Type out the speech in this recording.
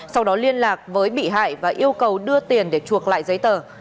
sau đó liên lạc với bị hại và yêu cầu đưa tiền để chuộc lại giấy tờ